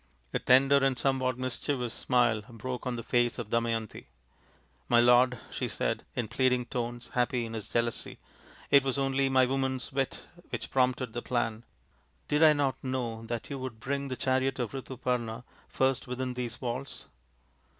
A tender and somewhat mischievous smile broke on the face of Damayanti. " My lord," she said, in pleading tones, happy in his jealousy, " it was only my woman's wit which prompted the plan. Did I not know that you would bring the chariot of Ritu parna first within these walls